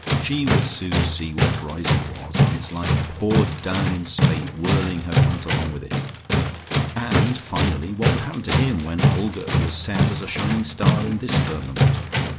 She would soon see what Riseholme was when its life poured down in spate, whirling her punt along with it. And finally, what would happen to him, when Olga was set as a shining star in this firmament?